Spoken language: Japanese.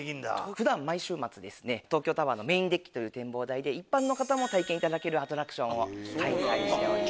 普段毎週末東京タワーのメインデッキという展望台で一般の方も体験いただけるアトラクションを開催してます。